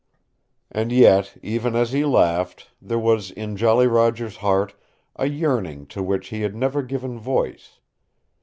And yet, even as he laughed, there was in Jolly Roger's heart a yearning to which he had never given voice.